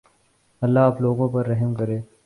اللہ آپ لوگوں پر رحم کرے